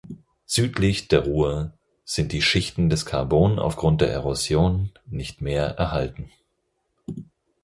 Südlich der Ruhr sind die Schichten des Karbon aufgrund der Erosion nicht mehr erhalten.